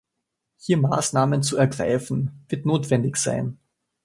Hier Maßnahmen zu ergreifen, wird notwendig sein.